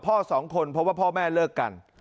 สองคนเพราะว่าพ่อแม่เลิกกัน